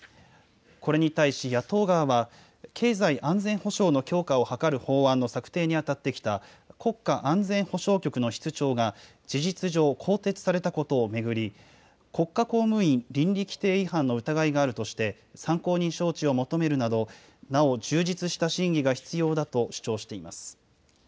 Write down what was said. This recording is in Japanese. これに対し、野党側は、経済安全保障の強化を図る法案の策定にあたってきた国家安全保障局の室長が、事実上更迭されたことを巡り、国家公務員倫理規程違反の疑いがあるとして、参考人招致を求めるなど、なお充実した審議が必要だと主張しています。